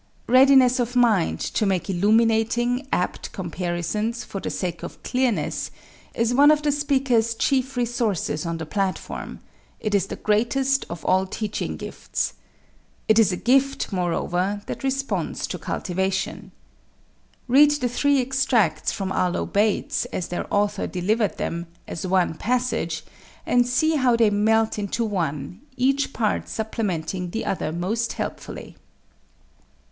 Readiness of mind to make illuminating, apt comparisons for the sake of clearness is one of the speaker's chief resources on the platform it is the greatest of all teaching gifts. It is a gift, moreover, that responds to cultivation. Read the three extracts from Arlo Bates as their author delivered them, as one passage, and see how they melt into one, each part supplementing the other most helpfully.